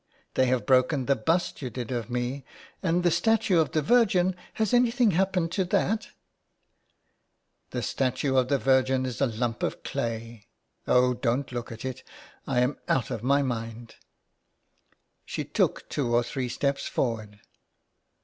They have broken the bust you did of me. And the statue of the Virgin — has anything happened to that ?"" The statue of the Virgin is a lump of clay. Oh don't look at it. I am out of my mind." She took two or three steps forward.